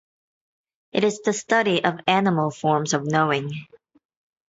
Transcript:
It is the study of animal forms of knowing.